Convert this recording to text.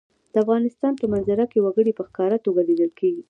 د افغانستان په منظره کې وګړي په ښکاره توګه لیدل کېږي.